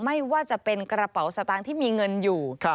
ไม่ว่าจะเป็นกระเป๋าสตางค์ที่มีเงินอยู่